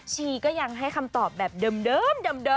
ชีก็ยังให้คำตอบแบบเดิม